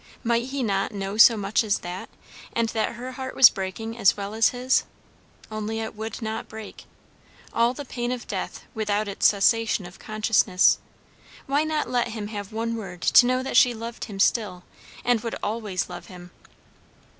Might he not know so much as that, and that her heart was breaking as well as his? Only it would not break. All the pain of death without its cessation of consciousness. Why not let him have one word to know that she loved him still, and would always love him?